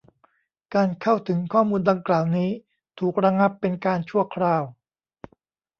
การเข้าถึงข้อมูลดังกล่าวนี้ ถูกระงับเป็นการชั่วคราว